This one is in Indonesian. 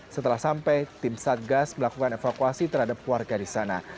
setelah sampai tim satgas melakukan evakuasi terhadap warga di sana